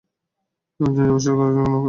একজন যাবে স্বর্গে, আরেকজন নরকে।